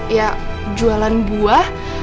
ya jualan buah